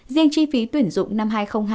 riêng chi phí tuyển dụng năm hai nghìn hai mươi